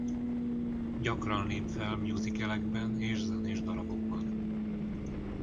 Gyakran lép fel musicalekben és zenés darabokban.